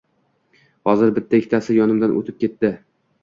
Hozir bitta-ikkitasi yonimdan o`tib ketdi